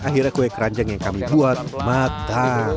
akhirnya kue keranjang yang kami buat matang